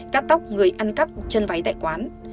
cắt tóc người ăn cắp chân váy tại quán